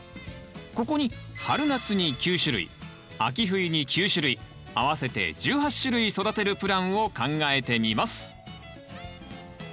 ここに春夏に９種類秋冬に９種類合わせて１８種類育てるプランを考えてみます。